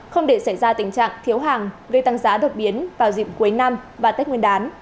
không để xảy ra tình trạng thiếu hàng gây tăng giá đột biến vào dịp cuối năm và tết nguyên đán